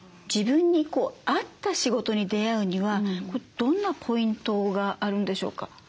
自分に合った仕事に出会うにはどんなポイントがあるんでしょうか？